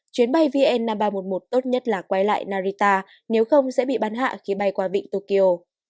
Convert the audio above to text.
chuyến bay vn năm nghìn ba trăm một mươi một tốt nhất là quay lại narita nếu không sẽ bị bắn hạ khi bay qua vịnh tokyo